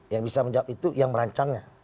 yang bisa menjawab itu yang merancangnya